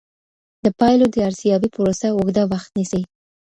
د پایلو د ارزیابۍ پروسه اوږده وخت نیسي.